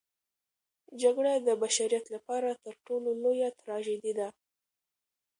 جګړه د بشریت لپاره تر ټولو لویه تراژیدي ده.